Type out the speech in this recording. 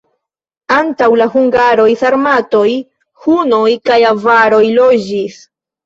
Antaŭ la hungaroj sarmatoj, hunoj kaj avaroj loĝis.